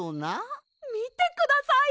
みてください！